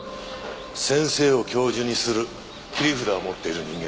先生を教授にする切り札を持っている人間です。